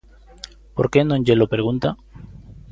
¿Por que non llelo pregunta?